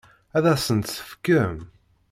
Ad asen-tt-tefkem?